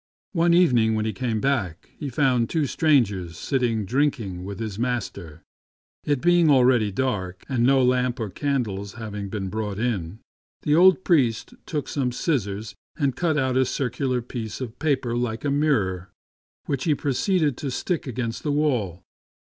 One evening when he came back he found two strangers sitting drinking with his master. It being already dark, and no lamp or candles having been brought in, the old priest took some scissors and cut out a circular piece of paper like a mirror, which he proceeded to stick against the wall.